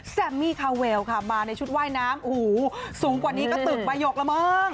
แซมมี่คาเวลค่ะมาในชุดว่ายน้ำโอ้โหสูงกว่านี้ก็ตึกบายกแล้วมั้ง